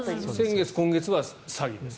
先月、今月は詐欺です。